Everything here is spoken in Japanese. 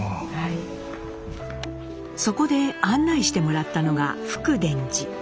そこで案内してもらったのが福田寺。